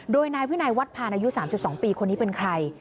โดยนายวินัยวัดพานอายุ๓๒ปีคนนี้เป็นใคร